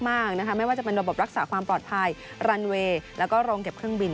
ไม่นะคะไม่ว่าจะเป็นระบบรักษาความปลอดภัยรันเวย์แล้วก็โรงเก็บเครื่องบิน